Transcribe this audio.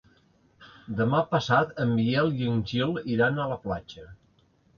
Demà passat en Biel i en Gil iran a la platja.